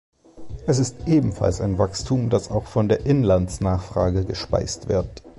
Es ist ebenfalls ein Wachstum, das auch von der Inlandsnachfrage gespeist wird.